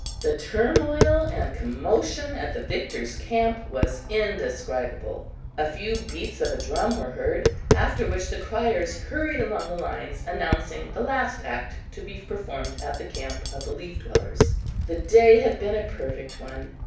The turmoil and commotion at the victors' camp were indescribable. A few beats of a drum were heard, after which the criers hurried along the lines, announcing the last act to be performed at the camp of the "Leaf Dwellers." The day had been a perfect one.